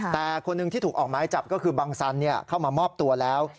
แต่คนหนึ่งที่ถูกออกไม้จับก็คือบังสันเข้ามามอบตัวแล้ว